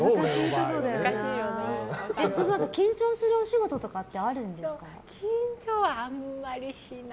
緊張するお仕事とかってあるんですか？